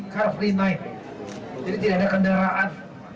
jadi tidak ada kendaraan